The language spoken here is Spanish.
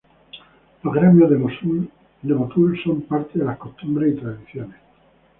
Los gremios en Motul son parte de las costumbres y tradiciones.